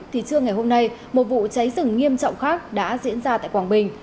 thì trưa ngày hôm nay một vụ cháy rừng nghiêm trọng khác đã diễn ra tại quảng bình